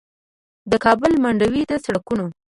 د کابل منډوي د سړکونو